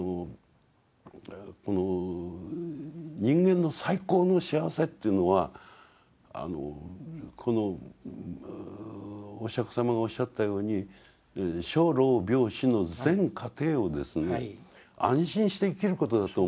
人間の最高の幸せというのはお釈様がおっしゃったように生老病死の全過程をですね安心して生きることだと思うんですよ。